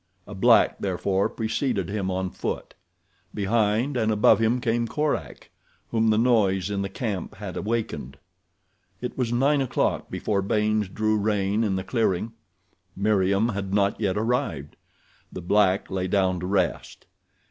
A black, therefore, preceded him on foot. Behind and above him came Korak, whom the noise in the camp had awakened. It was nine o'clock before Baynes drew rein in the clearing. Meriem had not yet arrived. The black lay down to rest.